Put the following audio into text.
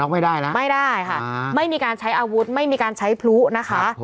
ไม่ได้นะไม่ได้ค่ะไม่มีการใช้อาวุธไม่มีการใช้พลุนะคะ